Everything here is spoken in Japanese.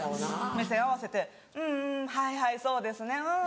目線合わせて「うんうんはいはいそうですねうんうん。